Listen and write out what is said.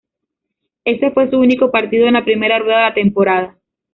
Ese fue su único partido en la primera rueda de la temporada.